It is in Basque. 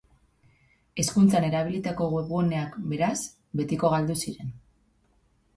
Hezkuntzan erabilitako webguneak, beraz, betiko galdu ziren.